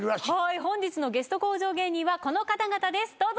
本日のゲスト向上芸人はこの方々ですどうぞ。